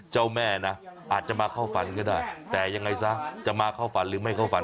เจ้าแม่นะอาจจะมาเข้าฝันก็ได้แต่ยังไงซะจะมาเข้าฝันหรือไม่เข้าฝัน